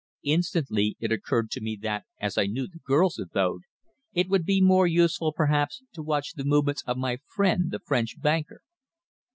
Instantly it occurred to me that, as I knew the girl's abode, it would be more useful perhaps to watch the movements of my friend the French banker.